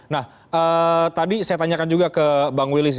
nah tadi saya tanyakan juga ke bang willy